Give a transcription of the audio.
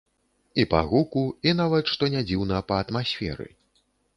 І па гуку, і нават, што не дзіўна, па атмасферы.